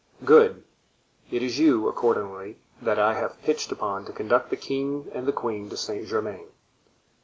"Good; it is you, accordingly, that I have pitched upon to conduct the king and the queen to Saint Germain."